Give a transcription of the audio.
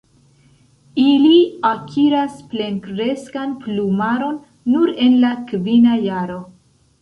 Ili akiras plenkreskan plumaron nur en la kvina jaro.